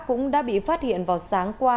cũng đã bị phát hiện vào sáng qua